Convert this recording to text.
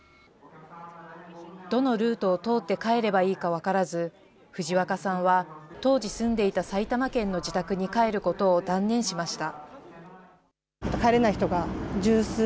どのルートを通って帰ればいいか分からず、藤若さんは、当時住んでいた埼玉県の自宅に帰ることを断念しました。